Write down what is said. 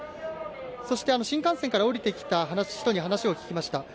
そして新幹線から降りてきた人に話を聞きました。